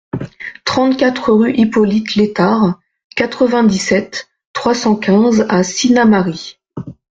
trente-quatre rue Hippolyte Lètard, quatre-vingt-dix-sept, trois cent quinze à Sinnamary